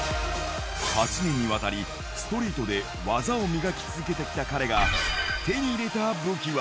８年にわたり、ストリートで技を磨き続けてきた彼が、手に入れた武器は。